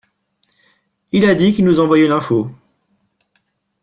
Il a dit qu'il nous envoyait l'info.